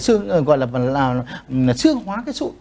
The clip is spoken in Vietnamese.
xương gọi là xương hóa cái sụn